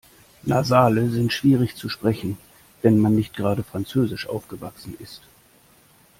Nasale sind schwierig zu sprechen, wenn man nicht gerade französisch aufgewachsen ist.